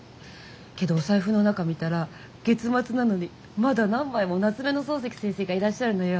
けどお財布の中見たら月末なのにまだ何枚も夏目の漱石先生がいらっしゃるのよ。